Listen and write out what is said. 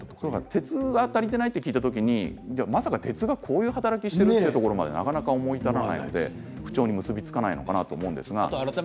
鉄が足りていないと聞いたときに、まさか鉄がこういう働きをしているとなかなか思い至らないで不調に結びつかないのかなと思います。